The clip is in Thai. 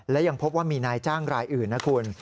และยังพบว่ามีนายจ้างรายอื่นนะคุณ